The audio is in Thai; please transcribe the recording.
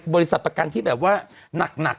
บริษัทประกันที่แบบว่าหนัก